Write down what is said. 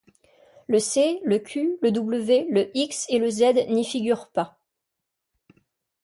Le C, le Q, le W, le X et le Z n'y figurent pas.